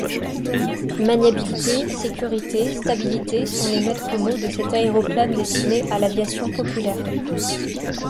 Maniabilité, sécurité, stabilité sont les maitres mots de cet aéroplane destiné à l'aviation populaire.